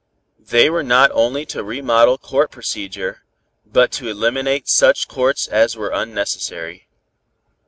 They were not only to remodel court procedure, but to eliminate such courts as were unnecessary.